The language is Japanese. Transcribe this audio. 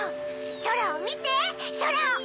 そらをみてそらを。